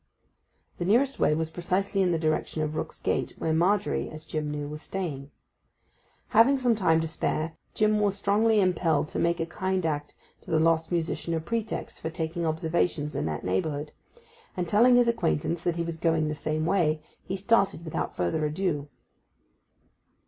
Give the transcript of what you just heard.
The nearest way was precisely in the direction of Rook's Gate, where Margery, as Jim knew, was staying. Having some time to spare, Jim was strongly impelled to make a kind act to the lost musician a pretext for taking observations in that neighbourhood, and telling his acquaintance that he was going the same way, he started without further ado.